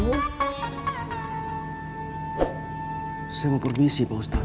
saya mau permisi pak ustadz